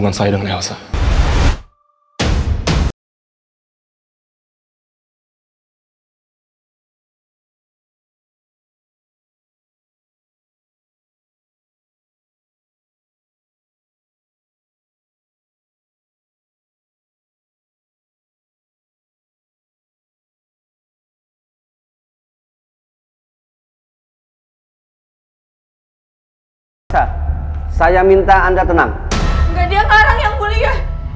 makan itu semuanya